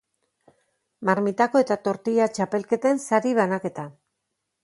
Marmitako eta tortilla txapelketen sari banaketa.